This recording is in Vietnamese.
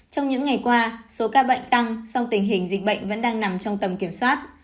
trong những ngày qua số ca bệnh tăng song tình hình dịch bệnh vẫn đang nằm trong tầm kiểm soát